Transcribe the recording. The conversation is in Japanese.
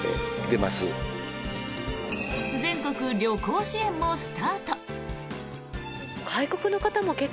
全国旅行支援もスタート。